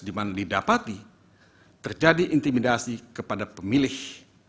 di mana didapati terjadi intimidasi kepada pemilih